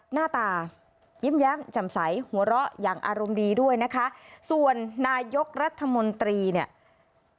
หน้าตายิ้มแย้มแจ่มใสหัวเราะอย่างอารมณ์ดีด้วยนะคะส่วนนายกรัฐมนตรีเนี่ย